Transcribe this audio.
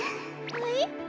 はい？